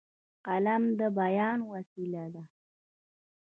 قلم د بیان وسیله ده.